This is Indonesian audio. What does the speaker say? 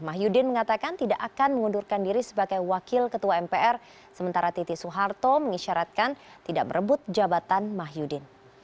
mahyudin mengatakan tidak akan mengundurkan diri sebagai wakil ketua mpr sementara titi soeharto mengisyaratkan tidak merebut jabatan mah yudin